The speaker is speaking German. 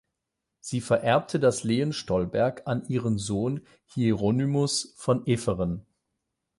Sie vererbte das Lehen Stolberg an ihren Sohn Hieronymus von Efferen.